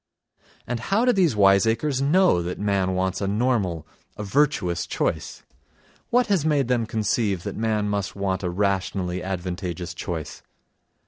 And how do these wiseacres know that man wants a normal, a virtuous choice? What has made them conceive that man must want a rationally advantageous choice?